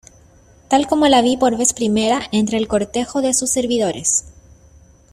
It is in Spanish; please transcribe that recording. tal como la vi por vez primera entre el cortejo de sus servidores,